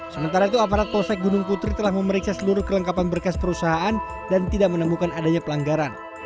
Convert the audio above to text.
sementara itu aparat polsek gunung putri telah memeriksa seluruh kelengkapan berkas perusahaan dan tidak menemukan adanya pelanggaran